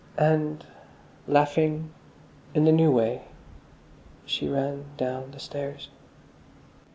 And, laughing, in the new way, she ran down the stairs.